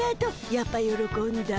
やっぱよろこんだ。